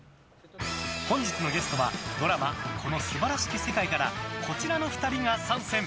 本日のゲストは、ドラマ「この素晴らしき世界」からこちらの２人が参戦！